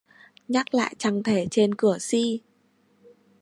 Nhắc lại trăng thề trên cửa si